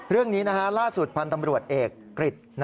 เรื่องนี้ล่าสุดพันธ์ตำรวจเอกกฤษ